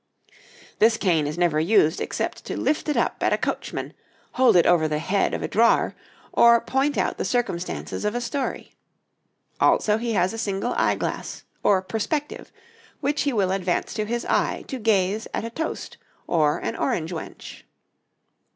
This cane is never used except to lift it up at a coachman, hold it over the head of a drawer, or point out the circumstances of a story. Also, he has a single eyeglass, or perspective, which he will advance to his eye to gaze at a toast or an orange wench.